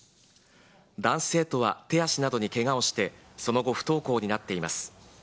男子生徒は手足などにけがをして、その後、不登校になっています。